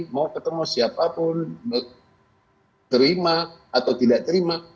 mau ketemu siapapun terima atau tidak terima